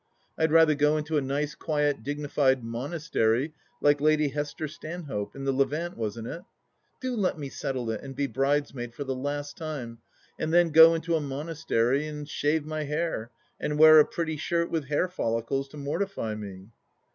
I'd rather go into a nice quiet dignified monastery like Lady Hester Stanhope — in the Levant, wasn't it ? Do let me settle it and be bridesmaid for the last time and then go into a monastery and shave my hair and wear a pretty shirt with hair follicles to mortify me."